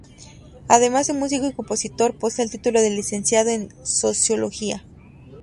Además de músico y compositor, posee el título de Licenciado en Sociología.